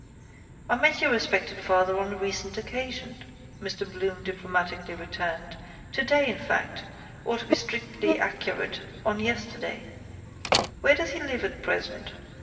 —I met your respected father on a recent occasion, Mr Bloom diplomatically returned, today in fact, or to be strictly accurate, on yesterday. Where does he live at present?